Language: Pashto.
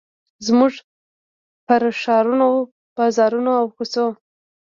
زموږ پر ښارونو، بازارونو، او کوڅو